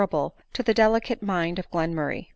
able to the delicate mind jof Glenmurray.